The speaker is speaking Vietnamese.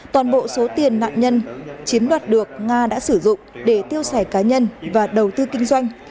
toàn bộ số tiền nạn nhân chiếm đoạt được nga đã sử dụng để tiêu sẻ cá nhân và đầu tư kinh doanh